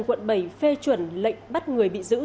quận bảy phê chuẩn lệnh bắt người bị giữ